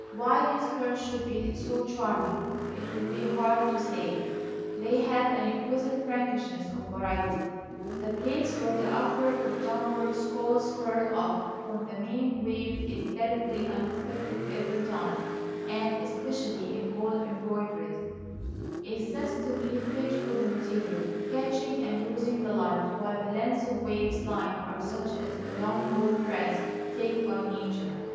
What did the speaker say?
Why these curves should be so charming it would be hard to say; they have an exquisite prankishness of variety, the place where the upward or downward scrolls curl off from the main wave is delicately unexpected every time, and especially in gold embroideries is sensitively fit for the material, catching and losing the light, while the lengths of waving line are such as the long gold threads take by nature.